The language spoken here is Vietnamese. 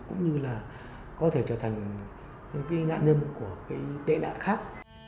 cũng như là có thể trở thành nạn nhân của tệ nạn khác